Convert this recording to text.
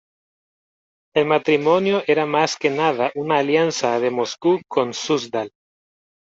El matrimonio era más que nada una alianza de Moscú con Súzdal.